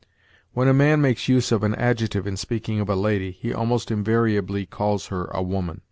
When a man makes use of an adjective in speaking of a lady, he almost invariably calls her a woman.